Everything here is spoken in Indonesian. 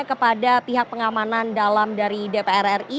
ternyata sudah terjadi kebakaran terjadi kepada pihak pengamanan dalam dari dpr ri